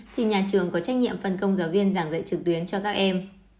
thì nhà trường có trách nhiệm phân công giáo viên giảng dạy trực tuyến cho các em